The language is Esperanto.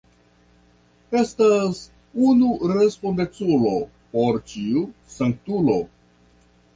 Estas unu respondeculo por ĉiu sanktulo.